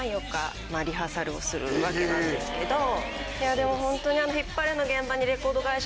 でもホントに。